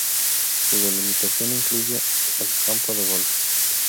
Su delimitación incluye el campo de golf.